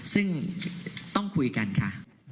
ซึ่งต้องคุยกันค่ะ